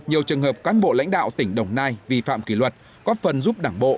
nhiều trường hợp cán bộ lãnh đạo tỉnh đồng nai vi phạm kỷ luật góp phần giúp đảng bộ